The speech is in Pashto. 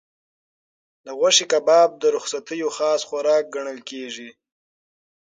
د غوښې کباب د رخصتیو خاص خوراک ګڼل کېږي.